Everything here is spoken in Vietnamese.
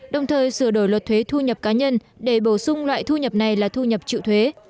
đồng thời sửa đổi luật thuế thu nhập cá nhân để bổ sung loại thu nhập này là thu nhập chịu thuế